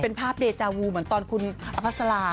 เป็นภาพเดจาวูเหมือนตอนคุณอภัสรา